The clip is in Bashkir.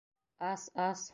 Ас, ас!